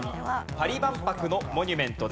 パリ万博のモニュメントです。